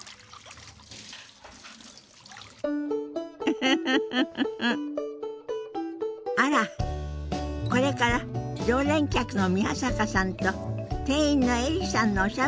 フフフフフあらこれから常連客の宮坂さんと店員のエリさんのおしゃべりが始まりそうね。